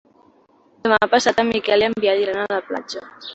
Demà passat en Miquel i en Biel iran a la platja.